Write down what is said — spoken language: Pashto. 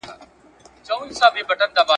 کېدای سي بازار ګڼه وي!!